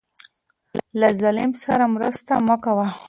له ظالم سره مرسته مه کوه.